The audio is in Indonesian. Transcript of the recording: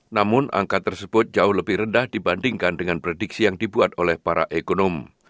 namun angka tersebut jauh lebih rendah dibandingkan dengan prediksi yang dibuat oleh para ekonom